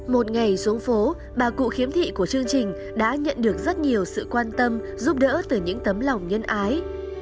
một ngày xuống phố bà cụ khiếm thị của chương trình đã nhận được rất nhiều sự quan tâm giúp đỡ từ những tấm lòng nhân ái